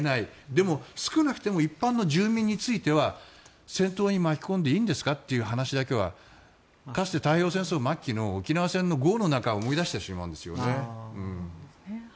でも少なくとも一般の住民については戦闘に巻き込んでいいんですかというのはかつて太平洋戦争末期の沖縄戦の壕の中を思い出してしまうんですよね。